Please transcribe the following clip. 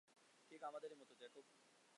ঠিক আমাদেরই মতো, জ্যাকব!